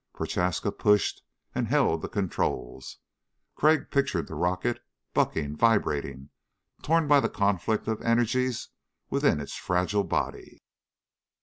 Prochaska pushed and held the controls. Crag pictured the rocket, bucking, vibrating, torn by the conflict of energies within its fragile body.